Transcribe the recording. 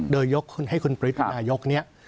โดยยกคุณให้คุณบริษัทนาโยกเนี่ย